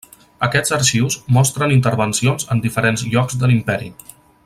Aquests arxius mostren intervencions en diferents llocs de l'imperi.